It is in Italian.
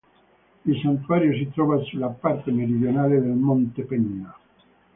Il santuario si trova sulla parte meridionale del monte Penna.